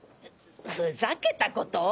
ふふざけたこと？